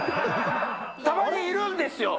たまにいるんですよ。